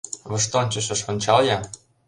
— «Воштончышыш ончал-ян...»